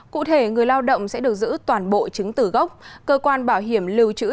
cụ thể người lao động sẽ được giữ toàn bộ chứng từ gốc cơ quan bảo hiểm lưu trữ